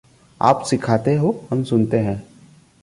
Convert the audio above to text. आप सिखाते हो, हम सुनते हैं।